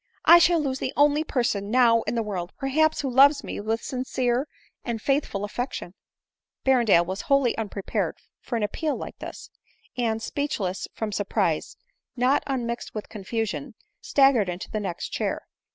I shall lose the only person now in the world, perhaps, who loves me with sincere and faithful affection !" Berrendale was wholly unprepared for an appeal like this ; and, speechless from surprise not unmixed with confusion, staggered into the next chair.